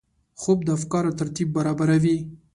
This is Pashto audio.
خوب د افکارو ترتیب برابروي